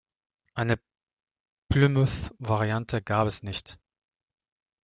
Eine Plymouth-Variante gab es nicht.